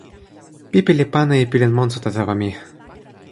pipi li pana e pilin monsuta tawa mi.